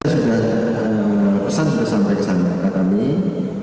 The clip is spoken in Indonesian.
sudah pesan sudah sampai ke sana